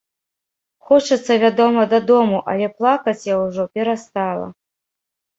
Хочацца, вядома, дадому, але плакаць я ўжо перастала.